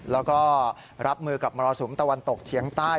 แล้วก็รับมือกับมรสุมตะวันตกเฉียงใต้